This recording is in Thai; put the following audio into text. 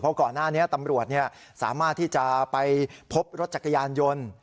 เพราะก่อนหน้านี้ตำรวจสามารถที่จะไปพบรถจักรยานยนต์